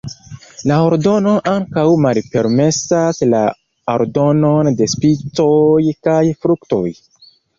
La ordono ankaŭ malpermesas la aldonon de spicoj kaj fruktoj.